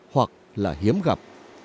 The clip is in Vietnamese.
hoặc là hiếm gặp